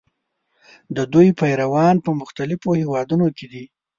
د دوی پیروان په مختلفو هېوادونو کې دي.